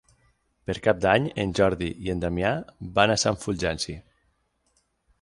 Per Cap d'Any en Jordi i en Damià van a Sant Fulgenci.